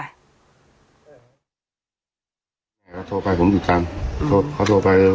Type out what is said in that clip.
แล้วสาเหตุที่เสียชีวิตเป็นข้ออะไร